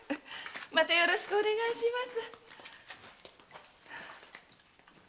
またよろしくお願いします。